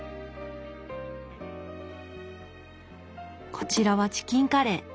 こちらはチキンカレー。